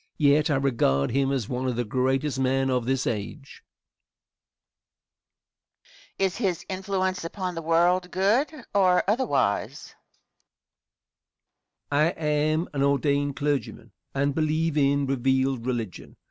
Yet I regard him as one of the greatest men of this age. Question. Is his influence upon the world good or otherwise? Answer. I am an ordained clergyman and believe in revealed religion.